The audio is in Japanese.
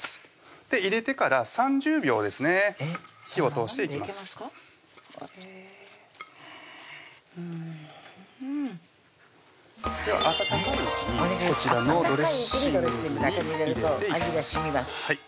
入れてから３０秒ですね火を通していきますでは温かいうちにこちらのドレッシングに入れていきます